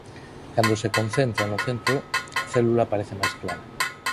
Cando se concentran no centro a célula parece máis clara.